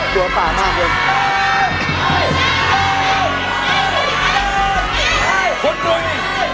ตัวตามากเลย